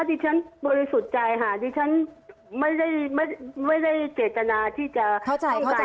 ดิฉันบริสุทธิ์ใจค่ะดิฉันไม่ได้ไม่ได้เกตนาที่จะเข้าใจเข้าใจ